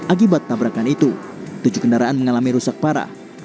akibat tabrakan itu tujuh kendaraan mengalami rusak parah